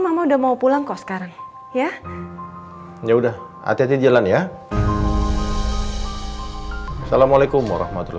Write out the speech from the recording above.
mama udah mau pulang kau sekarang ya ya udah hati hati jalan ya assalamualaikum warahmatullah